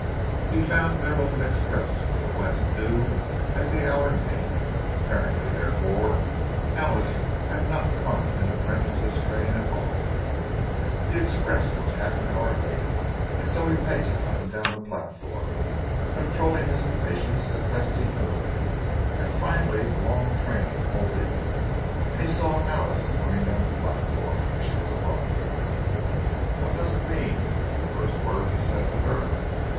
He found there was an express from the West due at the hour named; apparently, therefore, Alice had not come in the Prentice's train at all. The express was half an hour late, and so he paced up and down the platform, controlling his impatience as best he could. And finally the long train pulled in, and he saw Alice coming down the platform. She was alone! "What does it mean?" were the first words he said to her.